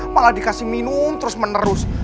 malah dikasih minum terus menerus